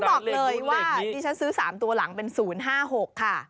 บอกเลยว่าดิฉันซื้อ๓ตัวหลังเป็น๐๕๖ค่ะ